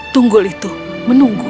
tunggul itu menunggu